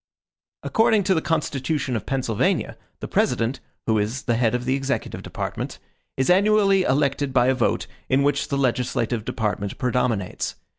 According to the constitution of Pennsylvania, the president, who is the head of the executive department, is annually elected by a vote in which the legislative department predominates.